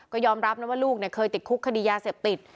ก็ยอมรับนะว่าลูกเคยติดคุกคดียาเสพติด